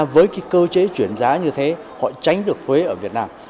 với cái cơ chế chuyển giá như thế họ tránh được thuế ở việt nam